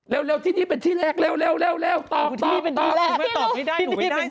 เร็วที่นี่เป็นที่แรกเร็วตอบ